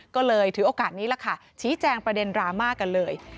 ก็เลยถือโอกาสนี้ล่ะค่ะชี้แจงประเด็นดราม่ากันเลย